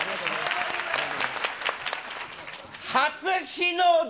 初日の出。